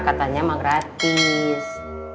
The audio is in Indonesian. katanya mah gratis